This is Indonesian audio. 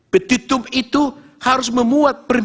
petitum itu harus memuat